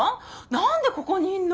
何でここにいんの？